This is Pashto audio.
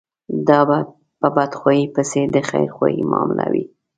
دا به په بدخواهي پسې د خيرخواهي معامله وي.